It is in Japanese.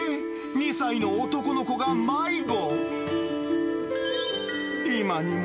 ２歳の男の子が迷子？